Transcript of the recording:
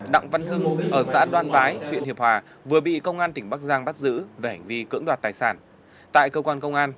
đặng văn hưng ở xã đoan bái huyện hiệp hòa vừa bị công an tp hcm bắt giữ về hành vi cưỡng đoạt tài sản